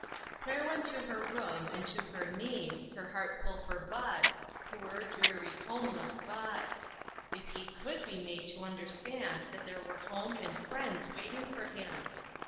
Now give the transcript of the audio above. Claire went to her room, and to her knees, her heart full for Bud, poor, dreary, 24O INTERRUPTED. homeless Bud ! If he could be made to un derstand that there were home and friends waiting for him